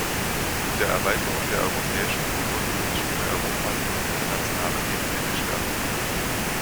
Mit der Erweiterung der Europäischen Union wird die Stimme Europas auf internationaler Ebene gestärkt.